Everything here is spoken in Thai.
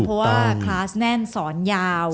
เพราะว่าคลาสแน่นสอนยาว